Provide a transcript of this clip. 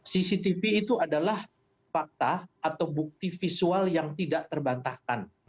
cctv itu adalah fakta atau bukti visual yang tidak terbantahkan